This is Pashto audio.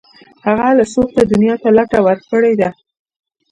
هغه له سوخته دنیا ته لته ورکړې ده